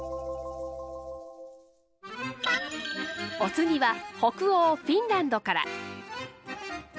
お次は北欧フィンランドから。